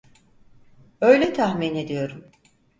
Öyle tahmin ediyorum.